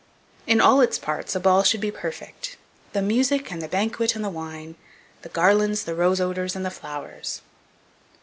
In all its parts a ball should be perfect, "The music, and the banquet, and the wine; The garlands, the rose odours, and the flowers."